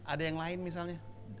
ada yang lain misalnya